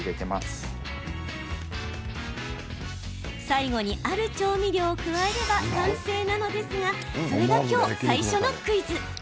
最後に、ある調味料を加えれば完成なのですがそれが今日、最初のクイズ。